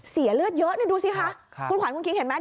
เสียเลือดเยอะดูสิคะคุณขวัญคุณคิงเห็นไหม